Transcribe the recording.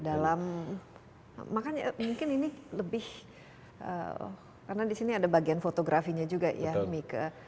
dalam makanya mungkin ini lebih karena di sini ada bagian fotografinya juga ya mika